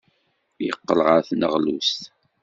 Yeqqel ɣer tneɣlust.